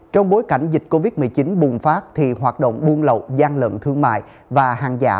trong bối cảnh dịch covid một mươi chín bùng phát thì hoạt động buôn lậu gian lận thương mại và hàng giả